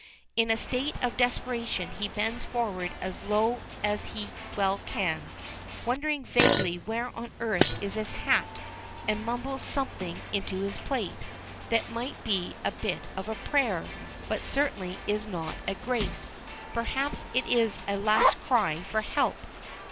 In a state of desperation he bends forward as low as he well can, wondering vaguely where on earth is his hat, and mumbles something into his plate, that might be a bit of a prayer, but certainly it is not a grace. Perhaps it is a last cry for help.